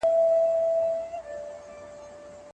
د ماشوم د پوزې پاکول په نرمۍ وکړئ.